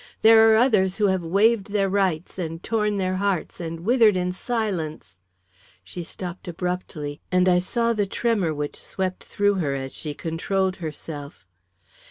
"There are others who have waived their rights, and torn their hearts, and withered in silence " She stopped abruptly, and I saw the tremor which swept through her as she controlled herself.